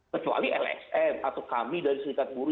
kecuali lsm atau kami dari serikat buruh